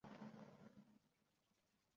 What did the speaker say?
Ularni javonga qayta soldi